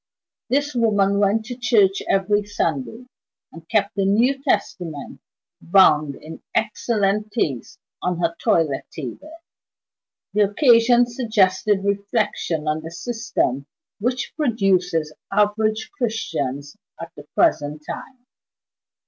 This woman went to church every Sunday, and kept a New Testament, bound in excellent taste, on her toilet table! The occasion suggested reflection on the system which produces average Christians at the present time.